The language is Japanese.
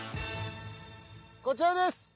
こちらです。